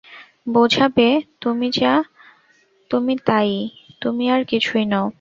বোঝাবে, তুমি যা তুমি তাই-ই, তুমি আর কিছুই নও।